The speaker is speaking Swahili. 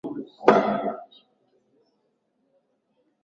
Mbali na kuvutia watu nje ya nyumbani kwao